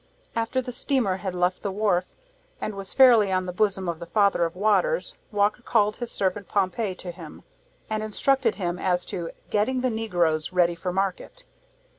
After the steamer had left the wharf, and was fairly on the bosom of the Father of Waters, Walker called his servant Pompey to him, and instructed him as to "getting the Negroes ready for market."